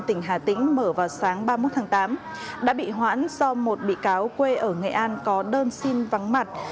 tỉnh hà tĩnh mở vào sáng ba mươi một tháng tám đã bị hoãn do một bị cáo quê ở nghệ an có đơn xin vắng mặt